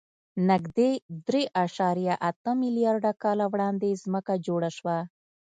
نږدې درې اعشاریه اته میلیارده کاله وړاندې ځمکه جوړه شوه.